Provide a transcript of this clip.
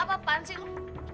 apaan sih lu